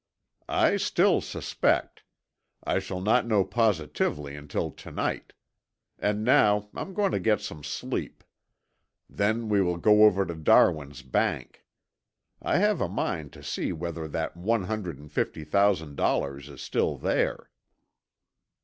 "I still suspect. I shall not know positively until to night. And now I'm going to get some sleep. Then we will go over to the Darwin bank. I have a mind to see whether that one hundred and fifty thousand dollars is still there."